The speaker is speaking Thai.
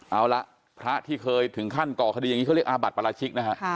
เอาละพระที่เคยถึงขั้นก่อคดีอย่างนี้เขาเรียกอาบัติปราชิกนะฮะ